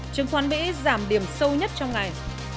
trường khoán mỹ giảm điểm sâu nhất trong ngày